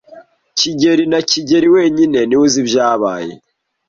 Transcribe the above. kigeli na kigeli wenyine niwe uzi ibyabaye.